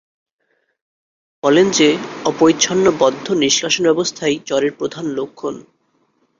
তিনি বলেন যে অপরিচ্ছন্ন-বদ্ধ নিষ্কাশন ব্যবস্থাই জ্বরের প্রধান লক্ষণ।